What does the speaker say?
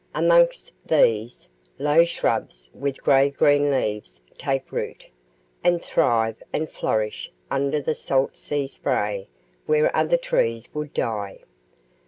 Amongst these, low shrubs with grey green leaves take root, and thrive and flourish under the salt sea spray where other trees would die.